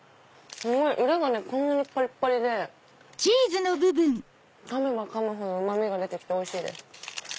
裏がこんなにパリッパリでかめばかむほどうま味が出て来ておいしいです。